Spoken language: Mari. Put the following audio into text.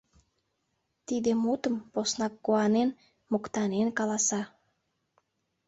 Тиде мутым, поснак куанен, моктанен каласа.